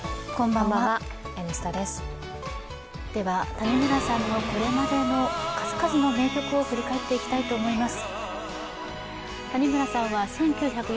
谷村さんのこれまでの数々の名曲を振り返っていきたいと思います。